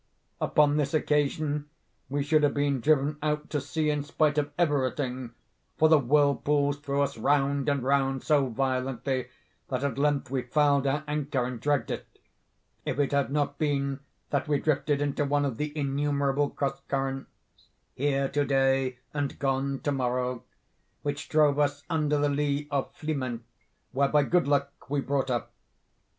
Upon this occasion we should have been driven out to sea in spite of everything, (for the whirlpools threw us round and round so violently, that, at length, we fouled our anchor and dragged it) if it had not been that we drifted into one of the innumerable cross currents—here to day and gone to morrow—which drove us under the lee of Flimen, where, by good luck, we brought up.